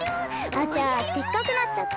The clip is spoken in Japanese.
あちゃでっかくなっちゃった！